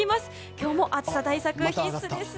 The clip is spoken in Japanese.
今日も暑さ対策、必須です。